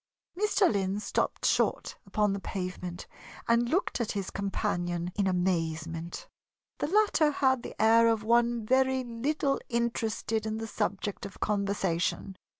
Mr. Lynn stopped short upon the pavement and looked at his companion in amazement. The latter had the air of one very little interested in the subject of conversation.